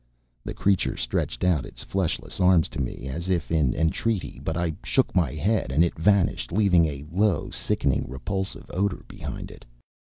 The creature stretched out its fleshless arms to me as if in entreaty, but I shook my head; and it vanished, leaving a low sickening repulsive odour behind it.